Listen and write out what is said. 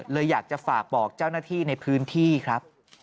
เลยอยากจะฝากบอกเจ้าหน้าที่ในพื้นที่ครับ